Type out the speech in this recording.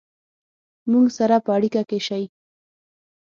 مونږ سره په اړیکه کې شئ